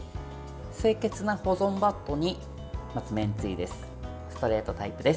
清潔な保存バットにまず、めんつゆです。